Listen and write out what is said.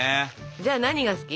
じゃあ何が好き？